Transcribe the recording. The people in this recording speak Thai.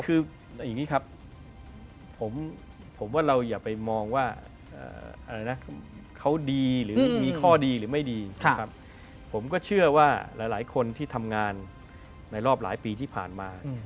คืออย่างนี้ครับผมว่าเราอย่าไปมองว่าอะไรนะเขาดีหรือมีข้อดีหรือไม่ดีครับผมก็เชื่อว่าหลายคนที่ทำงานในรอบหลายปีที่ผ่านมา